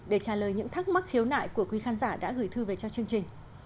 để trả lời những thắc mắc khiếu nại của quý khán giả đã gửi thư về cho chương trình